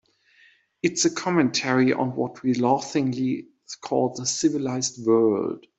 It's a commentary on what we laughingly call the civilized world.